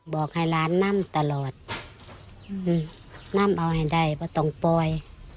บอกให้หลานนำตลอดนำเอาให้ได้เพราะต้องปล่อย